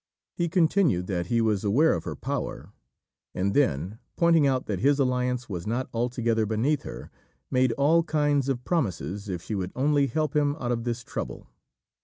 He continued that he was aware of her power; and then, pointing out that his alliance was not altogether beneath her, made all kinds of promises if she would only help him out of this trouble.